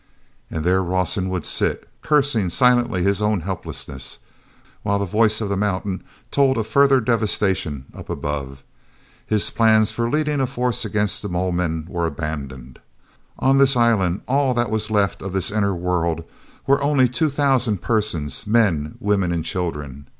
And there Rawson would sit, cursing silently his own helplessness, while the voice of the mountain told of further devastation up above. His plans for leading a force against the mole men were abandoned. On the island, all that was left of this inner world, were only some two thousand persons, men, women and children.